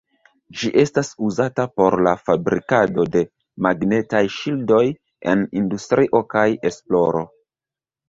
Ĝi estas uzata por la fabrikado de magnetaj ŝildoj en industrio kaj esploro.